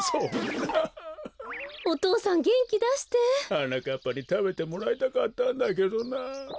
はなかっぱにたべてもらいたかったんだけどな。